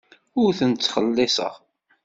Ur ten-ttxelliṣeɣ.